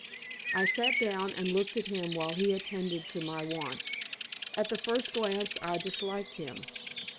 I sat down and looked at him while he attended to my wants. At the first glance I disliked him.